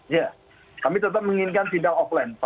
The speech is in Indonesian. ya kami tetap menginginkan tinggal offline